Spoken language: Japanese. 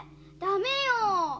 ダメよ！